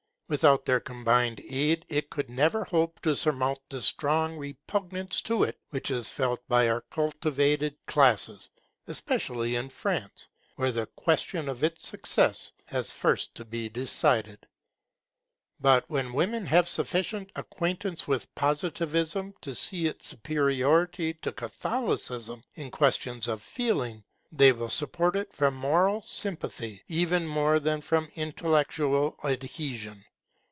Without their combined aid it could never hope to surmount the strong repugnance to it which is felt by our cultivated classes, especially in France, where the question of its success has first to be decided. [Catholicism purified love, but did not directly strengthen it] But when women have sufficient acquaintance with Positivism, to see its superiority to Catholicism in questions of feeling, they will support it from moral sympathy even more than from intellectual adhesion.